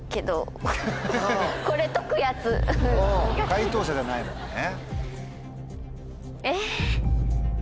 解答者じゃないもんね。